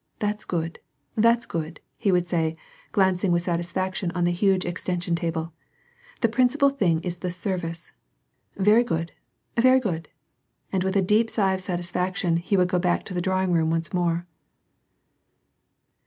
That's good, that's good,'' he would say, glancing with satis faction on the huge extension table. "The principal thing is the service. Very good, very good." And with a deep sigh of satisfaction, he would go back to the drawing room once more.